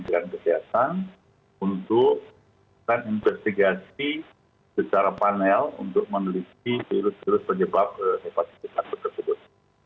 untuk kita investigasi secara panel untuk meneliti virus virus penyebab hepatitis akut tersebut